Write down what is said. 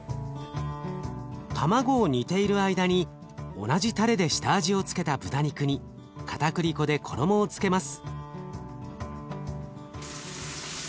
卵を煮ている間に同じタレで下味を付けた豚肉にかたくり粉で衣をつけます。